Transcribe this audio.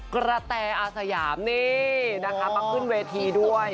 กระแตอาสยามนี่นะคะมาขึ้นเวทีด้วย